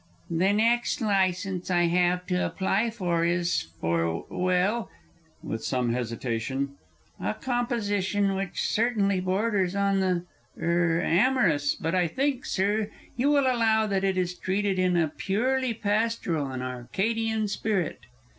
The next licence I have to apply for is for well, (with some hesitation) a composition which certainly borders on the er amorous but I think, Sir, you will allow that it is treated in a purely pastoral and Arcadian spirit.